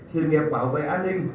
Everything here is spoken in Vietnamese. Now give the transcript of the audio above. sự nghiệp bảo vệ an ninh